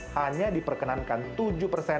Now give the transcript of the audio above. hanya diperkenankan tubuh